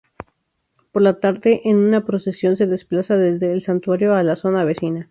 Por la tarde, una procesión se desplaza desde el santuario a la zona vecina.